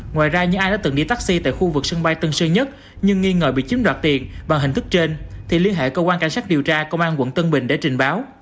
ngoài ra những ai đã từng đi taxi tại khu vực sân bay tân sơn nhất nhưng nghi ngờ bị chiếm đoạt tiền bằng hình thức trên thì liên hệ cơ quan cảnh sát điều tra công an quận tân bình để trình báo